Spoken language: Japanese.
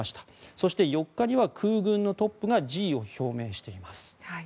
そして、４日には空軍のトップが辞意を表明しています。